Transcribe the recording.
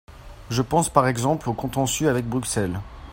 Je pense par exemple aux contentieux avec Bruxelles.